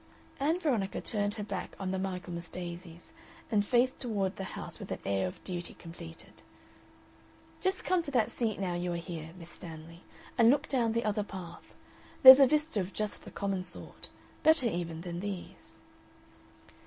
Ann Veronica turned her back on the Michaelmas daisies, and faced toward the house with an air of a duty completed. "Just come to that seat now you are here, Miss Stanley, and look down the other path; there's a vista of just the common sort. Better even than these."